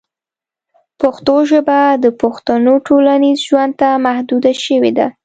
پښتو ژبه د پښتنو ټولنیز ژوند ته محدوده شوې ده.